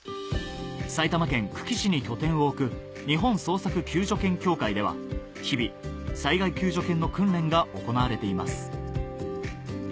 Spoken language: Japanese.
埼玉県久喜市に拠点を置く日本捜索救助犬協会では日々災害救助犬の訓練が行われています